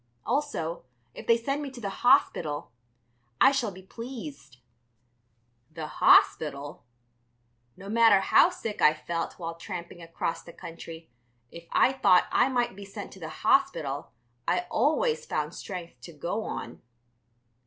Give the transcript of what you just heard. Also, if they send me to the Hospital, I shall be pleased." The Hospital! No matter how sick I felt while tramping across the country, if I thought I might be sent to the hospital I always found strength to go on.